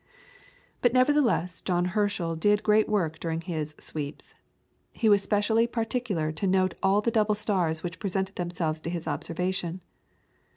But nevertheless John Herschel did great work during his "sweeps." He was specially particular to note all the double stars which presented themselves to his observation.